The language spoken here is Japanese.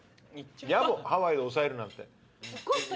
やぼハワイで抑えるなんて。